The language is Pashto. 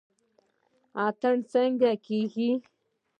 اتن څنګه کیږي؟